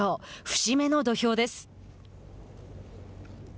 節目の土俵です。